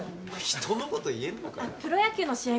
人のこと言えんのかよ。